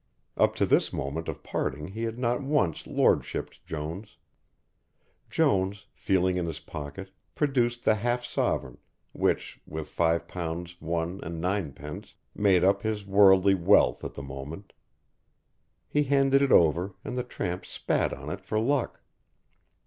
Up to this moment of parting he had not once Lordshipped Jones. Jones, feeling in his pocket, produced the half sovereign, which, with five pounds one and nine pence made up his worldly wealth at the moment. He handed it over, and the tramp spat on it for luck.